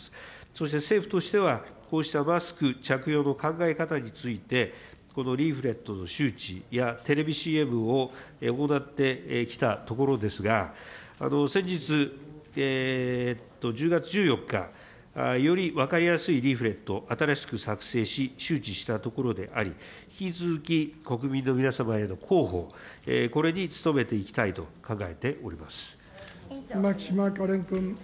そして政府としては、こうしたマスク着用の考え方についてリーフレットの周知やテレビＣＭを行ってきたところですが、先日、１０月１４日、より分かりやすいリーフレット、新しく作成し、周知したところであり、引き続き国民の皆様への広報、これに努めていきたいと考え牧島かれん君。